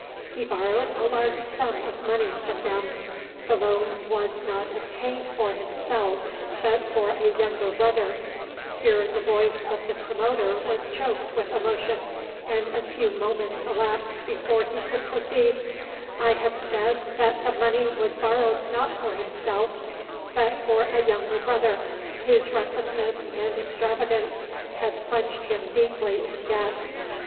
He borrowed a large sum of money from them. The loan was not obtained for himself, but for a younger brother" here the voice of the promoter was choked with emotion, and a few moments elapsed before he could proceed "I have said that the money was borrowed, not for himself, but for a younger brother, whose recklessness and extravagance had plunged him deeply in debt.